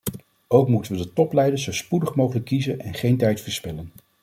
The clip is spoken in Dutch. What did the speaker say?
Ook moeten we de topleiders zo spoedig mogelijk kiezen en geen tijd verspillen.